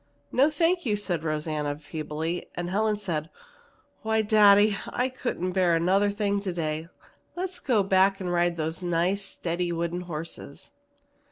"No, thank you," said Rosanna feebly, and Helen said, "Why, daddy, I couldn't bear another thing today! Let's go back and ride those nice steady wooden horses."